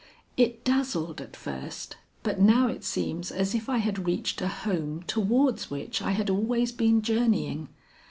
It dazzled at first, but now it seems as if I had reached a home towards which I had always been journeying.